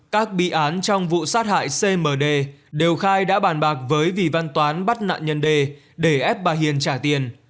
các bị án trong vụ sát hại cmd đều khai đã bàn bạc với vị văn toán bắt nạn nhân d để ép bà hiền trả tiền